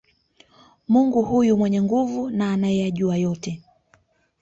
Mungu huyu mwenye nguvu na anayeyajua yote